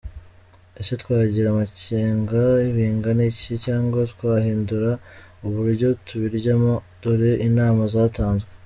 Ese twagira amakenga bingana iki, cyangwa twahindura uburyo tubirya mo? Dore inama zatanzwe.